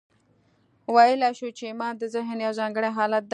ویلای شو چې ایمان د ذهن یو ځانګړی حالت دی